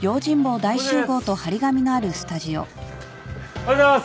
おはようございます。